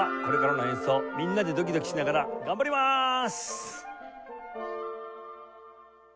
これからの演奏みんなでドキドキしながら頑張りまーす！